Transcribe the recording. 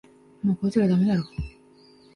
もうこいつらダメだろ